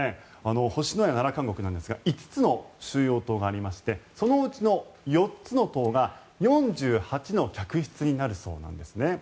星のや奈良監獄なんですが５つの収容棟がありましてそのうちの４つの棟が４８の客室になるそうです。